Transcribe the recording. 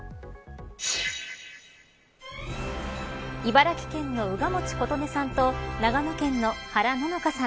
茨城県の宇賀持琴音さんと長野県の原野乃花さん